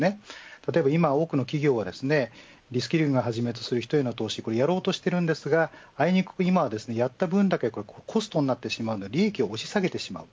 例えば今、多くの企業はリスキリングを始める人への投資をやろうとしていますがあいにく今はやった分だけコストになってしまうので利益を押し下げてしまう。